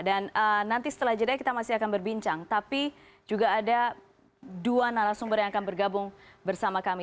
dan nanti setelah jadinya kita masih akan berbincang tapi juga ada dua narasumber yang akan bergabung bersama kami